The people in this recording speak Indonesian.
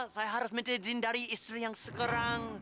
saya harus minta izin dari istri yang sekarang